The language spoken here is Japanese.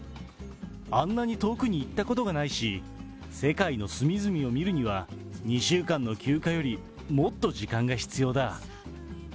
あんなに遠くに行ったことがないし、世界の隅々を見るには、２週間の休暇よりもっと時間が必要だ。